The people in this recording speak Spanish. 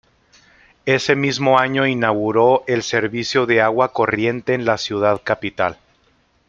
Ese mismo año inauguró el servicio de agua corriente en la ciudad capital.